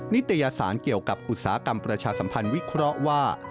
นิตยสารเกี่ยวกับอุตสาหกรรมประชาสัมพันธ์วิเคราะห์ว่า